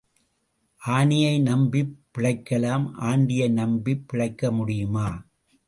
ஆனையை நம்பிப் பிழைக்கலாம் ஆண்டியை நம்பிப் பிழைக்க முடியுமா?